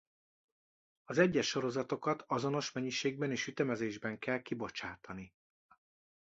Az egyes sorozatokat azonos mennyiségben és ütemezésben kell kibocsátani.